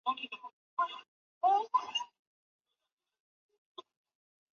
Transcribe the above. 他也在雪梨夏季奥运结束后正式退休。